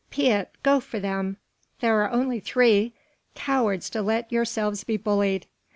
Piet, go for them! There are only three! Cowards to let yourselves be bullied!"